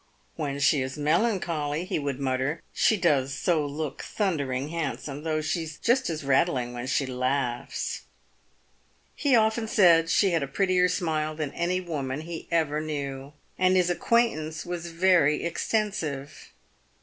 " When she is melancholy," he would mutter, " she does look so thundering handsome, though she's just as rattling when she laughs." He often said she had a prettier smile than any woman he ever knew, and his acquaintance was very exten sive.